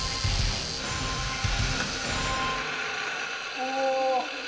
お！